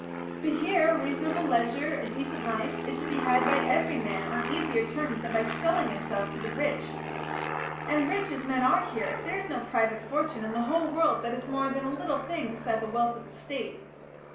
But here a reasonable leisure, a decent life, is to be had by every man on easier terms than by selling himself to the rich. And rich as men are here, there is no private fortune in the whole world that is more than a little thing beside the wealth of the State.